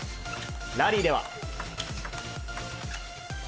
ラリーでは。